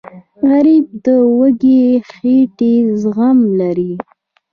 غریب د وږې خېټې زغم لري